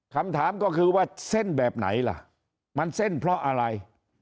คำถามก็คือว่าเส้นแบบไหนล่ะมันเส้นเพราะอะไร